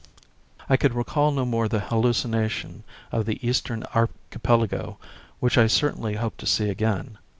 I could recall no more the hallucination of the Eastern Archipelago which I certainly hoped to see again.